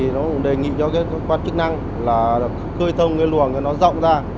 nó đề nghị cho các quán chức năng là lưu thông luồng rộng ra